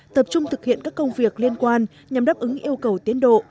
tập trung thực hiện các công việc liên quan nhằm đáp ứng yêu cầu tiến độ